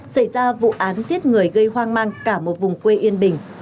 xảy ra vụ án giết người gây hoang mang cả một vùng quê yên bình